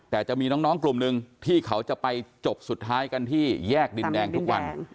แต่จะมีน้องกลุ่มหนึ่งที่เขาจะไปจบสุดท้ายกันที่แยกดินแดงทุกวัน